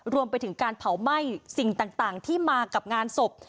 รวมไปถึงการเผาไหม้สิ่งต่างที่มากับงานศพ